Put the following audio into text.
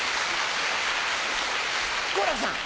好楽さん。